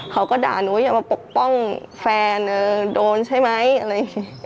เขาก็ด่าหนูว่าอย่ามาปกป้องแฟนโดนใช่ไหมอะไรอย่างนี้